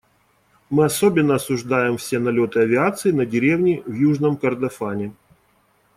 Мы особенно осуждаем все налеты авиации на деревни в Южном Кордофане.